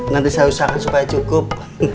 nanti saya usahakan supaya cukup